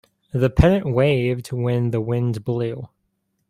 The pennant waved when the wind blew.